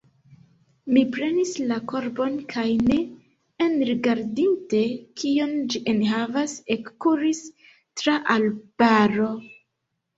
Mi prenis la korbon kaj ne enrigardinte, kion ĝi enhavas, ekkuris tra arbaro.